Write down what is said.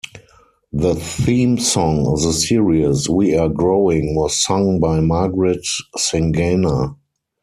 The theme song of the series, "We are growing", was sung by Margaret Singana.